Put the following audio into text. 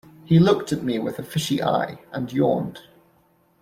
He looked at me with a fishy eye and yawned.